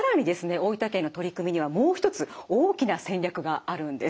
大分県の取り組みにはもう一つ大きな戦略があるんです。